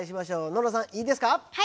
暖乃さんいいですか？